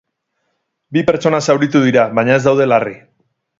Bi pertsona zauritu dira, baina ez daude larri.